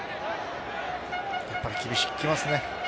やっぱり厳しくきますね。